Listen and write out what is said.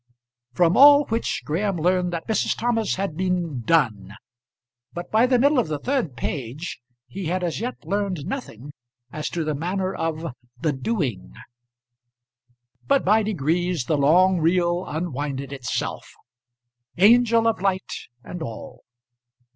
From all which Graham learned that Mrs. Thomas had been "done;" but by the middle of the third page he had as yet learned nothing as to the manner of the doing. But by degrees the long reel unwinded itself; angel of light, and all.